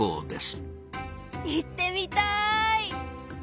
行ってみたい。